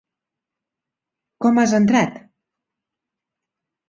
Com has entrat?